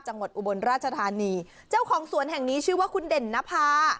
อุบลราชธานีเจ้าของสวนแห่งนี้ชื่อว่าคุณเด่นนภา